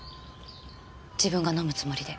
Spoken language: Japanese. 自分が飲むつもりで。